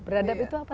beradab itu apa